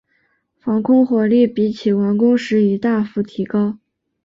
防空火力比起完工时已大幅提高。